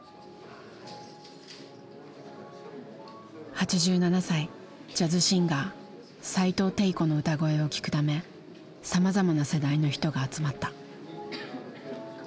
８７歳ジャズシンガー齋藤悌子の歌声を聴くためさまざまな世代の人が集まった。